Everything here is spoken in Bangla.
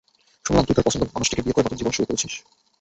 শুনলাম তুই তোর পছন্দের মানুষটিকে বিয়ে করে নতুন জীবন শুরু করেছিস।